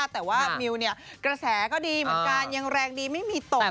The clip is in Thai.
แต่ว่ามิวเนี่ยกระแสก็ดีเหมือนกันยังแรงดีไม่มีโตนอยู่นะคะ